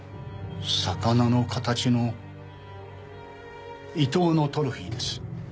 魚の形のイトウのトロフィーです。